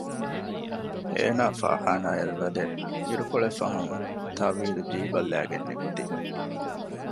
އޭނާ ފާޚާނާޔަށް ވަދެ އިރުކޮޅެއްފަހުން ތަވީދު ޖީބަށް ލައިގެން ނިކުތީ